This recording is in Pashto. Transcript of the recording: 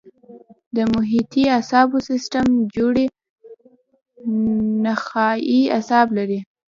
د محیطي اعصابو سیستم جوړې نخاعي اعصاب لري.